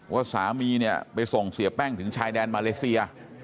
ว่าสามีเนี่ยไปส่งเสียแป้งถึงชายแดนมาเลเซีย